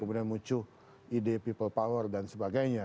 kemudian muncul ide people power dan sebagainya